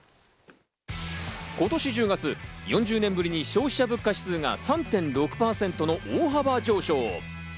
今年１０月、４０年ぶりに消費者物価指数が３．６％の大幅上昇。